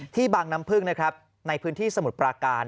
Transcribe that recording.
บางน้ำพึ่งนะครับในพื้นที่สมุทรปราการ